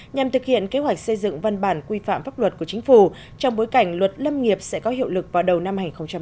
nhằm thực hiện kế hoạch xây dựng văn bản quy phạm pháp luật của chính phủ trong bối cảnh luật lâm nghiệp sẽ có hiệu lực vào đầu năm hai nghìn hai mươi